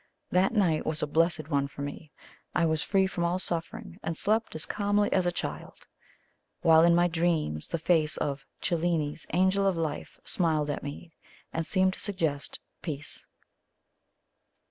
That night was a blessed one for me; I was free from all suffering, and slept as calmly as a child, while in my dreams the face of Cellini's "Angel of life" smiled at me, and seemed to suggest peace.